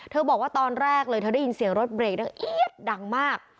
เธอบอกว่าตอนแรกเลยเธอได้ยินเสียงรถเบรกดังมาก